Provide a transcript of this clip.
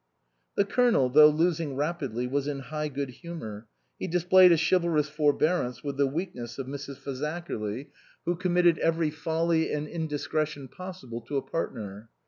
The Colonel though losing rapidly was in high good humour. He displayed a chivalrous forbearance with the weakness of Mrs. Faza 29 THE COSMOPOLITAN kerly who committed every folly and indiscre tion possible to a partner.